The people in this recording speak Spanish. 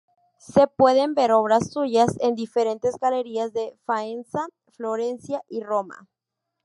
Se pueden ver obras suyas en diferentes galerías de Faenza, Florencia y Roma.